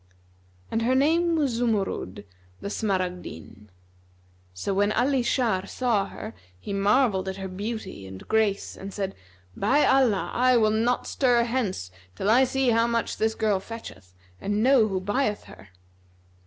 And her name was Zumurrud—the Smaragdine. So when Ali Shar saw her, he marvelled at her beauty and grace and said, "By Allah, I will not stir hence till I see how much this girl fetcheth, and know who buyeth her!"